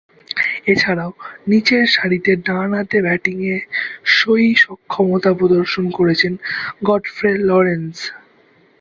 এছাড়াও, নিচেরসারিতে ডানহাতে ব্যাটিংয়ে স্বীয় সক্ষমতা প্রদর্শন করেছেন গডফ্রে লরেন্স।